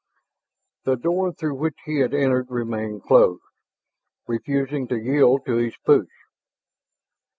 The door through which he had entered remained closed, refusing to yield to his push.